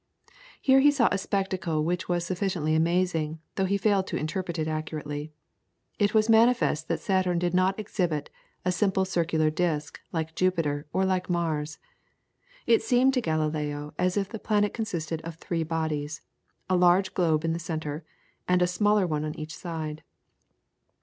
Here he saw a spectacle which was sufficiently amazing, though he failed to interpret it accurately. It was quite manifest that Saturn did not exhibit a simple circular disc like Jupiter, or like Mars. It seemed to Galileo as if the planet consisted of three bodies, a large globe in the centre, and a smaller one on each side.